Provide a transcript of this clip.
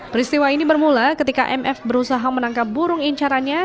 peristiwa ini bermula ketika mf berusaha menangkap burung incarannya